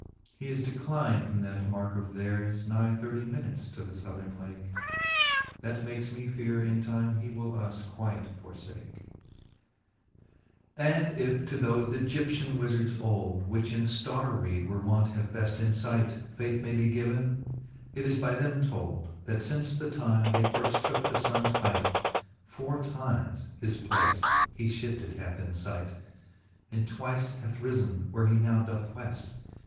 He is declyned from that marke of theirs. Nigh thirtie minutes to the Southerne lake ; That makes me feare in time he will us quite forfake, B a VIII. And ^ ^he fifth Booke of Canto I. VIII. And if to thofe i^gyptlan wifards old, Which in ftar read were wont have beft infight, Faith may be given, it is by them told, That fince the time they firft tooke the funnes hight, Foure times his place he fhifted hath in fight, And twice hath rifen, where he now doth weft.